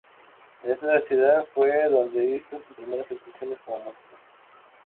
En esta ciudad fue donde hizo sus primeras actuaciones como músico.